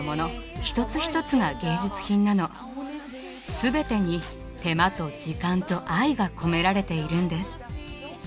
全てに手間と時間と愛が込められているんです。